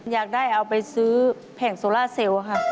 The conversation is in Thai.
อยากได้เอาไปซื้อแผงโซล่าเซลล์ค่ะ